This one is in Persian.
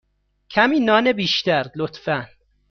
کمی نان بیشتر، لطفا.